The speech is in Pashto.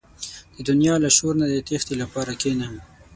• د دنیا له شور نه د تیښتې لپاره کښېنه.